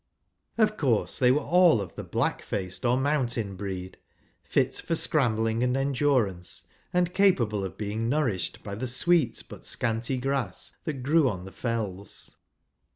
Of course they were all of the black¬ faced or mountain bi'eed, fit for scrambling and endurance, and capable of being nourished by the sweet but scanty grass that grew on the Fells.